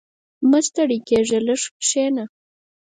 • مه ستړی کېږه، لږ کښېنه.